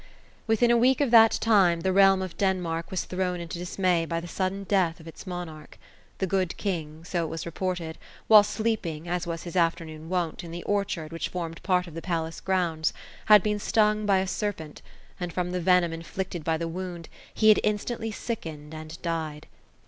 Within a week of that time, the realm of Denmark was thrown into dismay, by the sudden death of its monarch. The good king, — so it waa reported, — while sleeping, as was his afternoon wont, in the orchard which formed part of the palace grounds, had been stung by a serpent ; and, from the venom inflicted by the wound, he had instantly sickened and died.